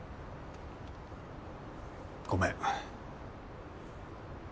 ごめん。